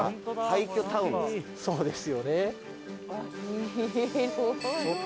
そうですよね。